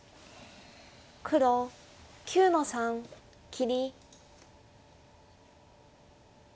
黒９の三切り。